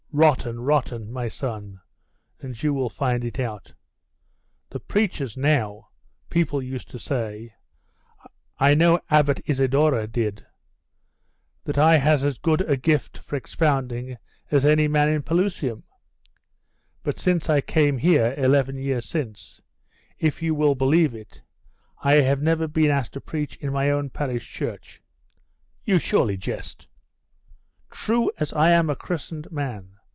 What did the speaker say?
Rotten, rotten! my son, and you will find it out. The preachers, now people used to say I know Abbot Isidore did that I had as good a gift for expounding as any man in Pelusium; but since I came here, eleven years since, if you will believe it, I have never been asked to preach in my own parish church.' 'You surely jest!' 'True, as I am a christened man.